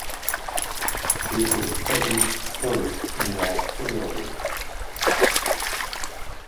It was published first in Australia.